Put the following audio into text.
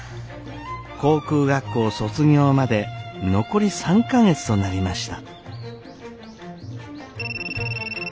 航空学校卒業まで残り３か月となりました。